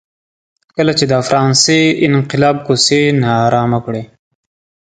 کله چې د فرانسې انقلاب کوڅې نا ارامه کړې.